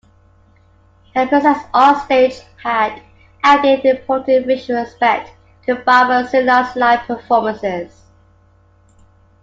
Her presence onstage had added an important visual aspect to BaBa ZuLa's live performances.